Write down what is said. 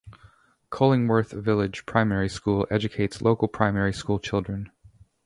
Cullingworth Village Primary School educates local primary school children.